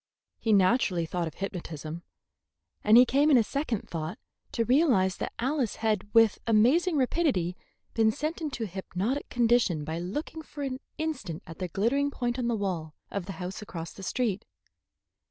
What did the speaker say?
He naturally thought of hypnotism, and he came in a second thought to realize that Alice had with amazing rapidity been sent into a hypnotic condition by looking for an instant at the glittering point on the wall of the house across the street.